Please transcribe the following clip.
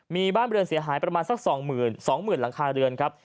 มีบ้านเรือนเสียหายประมาณสัก๒๒๐๐๐หลังคาเรือนครับ